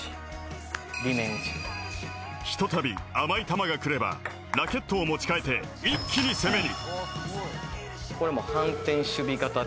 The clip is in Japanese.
ひと度、甘い球が来ればラケットを持ち替えて一気に攻めに。